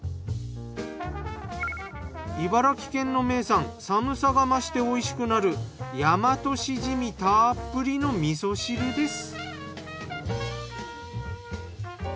茨城県の名産寒さが増して美味しくなるヤマトシジミたっぷりの味噌汁です。